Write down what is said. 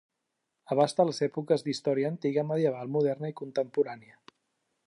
Abasta les èpoques d'Història Antiga, Medieval, Moderna i Contemporània.